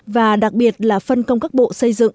và đặc biệt là phân công các bộ xây dựng